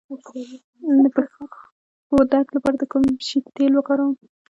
د پښو درد لپاره د کوم شي تېل وکاروم؟